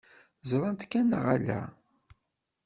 Ẓṛant-ken neɣ ala?